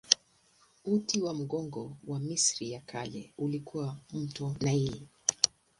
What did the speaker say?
Uti wa mgongo wa Misri ya Kale ulikuwa mto Naili.